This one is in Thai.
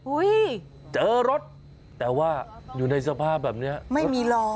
เจอรถแต่ว่าอยู่ในสภาพแบบเนี้ยไม่มีล้อ